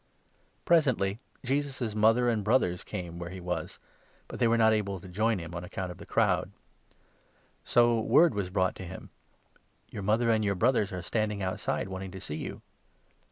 The true Presently Jesus' mother and brothers came 19 Brotherhood, where he was, but they were not able to join Ifim on account of the crowd. So word was brought to him — 20 ' Your mother and your brothers are standing outside, wanting to see you.'